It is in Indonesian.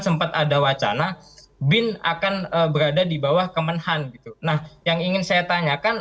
sempat ada wacana bin akan berada di bawah kemenhan gitu nah yang ingin saya tanyakan